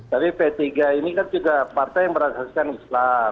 tapi p tiga ini kan juga partai yang berasaskan islam